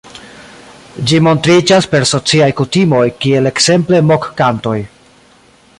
Ĝi montriĝas per sociaj kutimoj, kiel ekzemple mok-kantoj.